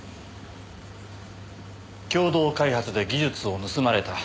共同開発で技術を盗まれた。